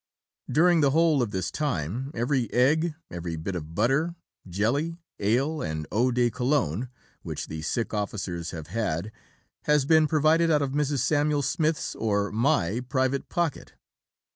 During the whole of this time, every egg, every bit of butter, jelly, ale, and Eau de Cologne which the sick officers have had has been provided out of Mrs. Samuel Smith's or my private pocket.